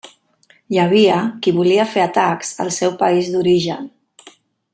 Hi havia qui volia fer atacs al seu país d'origen.